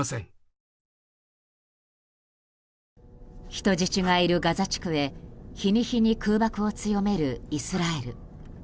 人質がいるガザ地区へ日に日に空爆を強めるイスラエル。